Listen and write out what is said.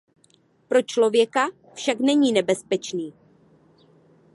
Pro člověka však není nebezpečný.